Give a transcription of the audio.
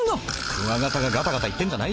クワガタがガタガタ言ってんじゃないよ！